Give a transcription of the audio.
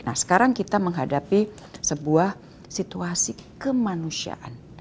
nah sekarang kita menghadapi sebuah situasi kemanusiaan